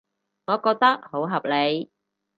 我覺得好合理